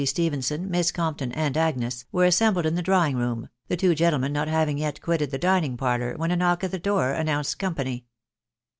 471 Stephenson, Miss Compton, and Agnes, — were assembled i* die drawing room, the two gentlemen not haying yet quitted the dining parlour, when a knock at die door announced company.